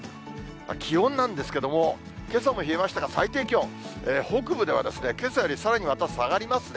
気温なんですけども、けさも冷えましたが、最低気温、北部ではけさよりさらにまた下がりますね。